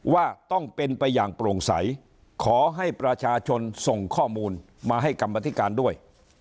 ว่าต้องเป็นไปอย่างโปร่งใสขอให้ประชาชนส่งข้อมูลมาให้กรรมธิการด้วย